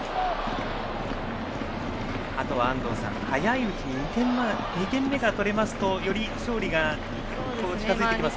あとは、早いうちに２点目が取れますとより勝利が近づいてきますね。